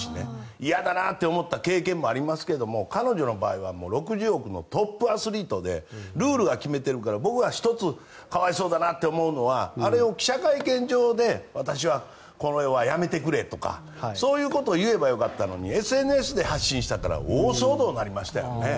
いやだと思った経験もありますし彼女の場合は６０億のトップアスリートでルールで決められているから僕が１つ可哀想だと思うのがあれを記者会見場で私はこれはやめてくれとかそういうことを言えばよかったのにＳＮＳで発信したから大騒動になりましたね。